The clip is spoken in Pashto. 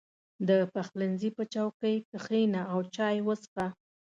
• د پخلنځي په چوکۍ کښېنه او چای وڅښه.